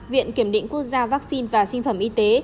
viện kiểm định quốc gia vaccine và sinh phẩm y tế